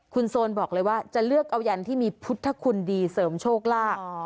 คุณโซนบอกเลยว่าจะเลือกเอายันที่มีพุทธคุณดีเสริมโชคลาภ